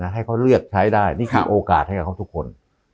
ให้เขาเลือกใช้ได้นี่คือโอกาสให้กับเขาทุกคน